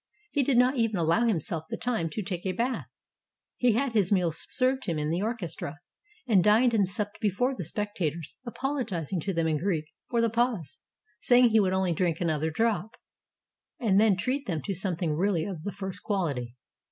He did not even allow himself the time to take a bath. He had his meals served him in the orchestra, and dined and supped before the spectators, apologizing to them in Greek for the pause, saying he would only drink another drop, and then treat them to something really of the first quality.